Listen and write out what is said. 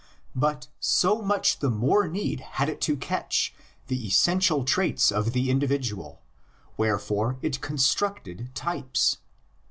But so much the more need had it to catch the essential traits of the individual, wherefore it constructed types.